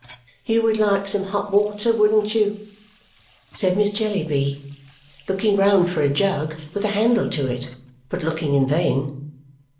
"You would like some hot water, wouldn't you?" said Miss Jellyby, looking round for a jug with a handle to it, but looking in vain.